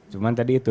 cuman tadi itu